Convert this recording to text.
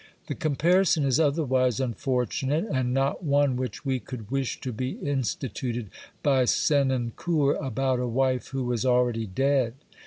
The comparison is otherwise unfortunate and not one which we could wish to be instituted by Senancour about a wife who was already dead.